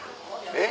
えっ？